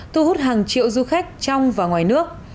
thu hút hàng triệu du khách trong và ngoài nước